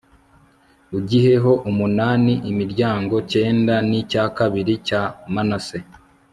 ugiheho umunani imiryango cyenda n'icya kabiri cya manase